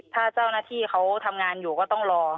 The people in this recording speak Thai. ถ้าเจ้าหน้าที่เขาทำงานอยู่ก็ต้องรอ